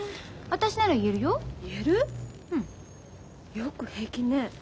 よく平気ね。